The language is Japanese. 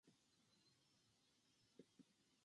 雪が降る中、アイスクリームが「寒いけど、僕は溶けない！」と自慢した。